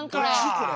これ。